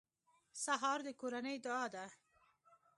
سهار د کورنۍ دعا ده.